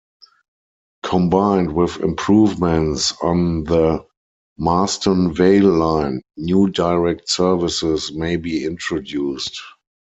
Combined with improvements on the Marston Vale line, new direct services may be introduced.